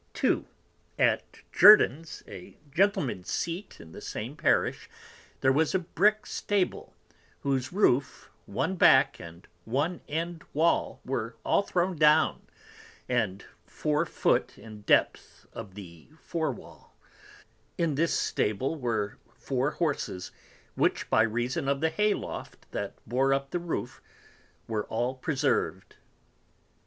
2. At Jurdans, a Gentleman's Seat in the same Parish, there was a Brick Stable, whose Roof, one Back, and one End Wall, were all thrown down, and four foot in depth of the Fore Wall; in this Stable were 4 Horses, which by reason of the Hay loft that bore up the Roof, were all preserv'd.